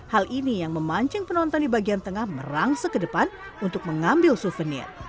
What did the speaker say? hal ini yang memancing penonton di bagian tengah merangsek ke depan untuk mengambil suvenir